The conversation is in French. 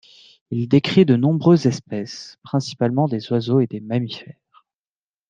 Il décrit de nombreuses espèces, principalement des oiseaux et des mammifères.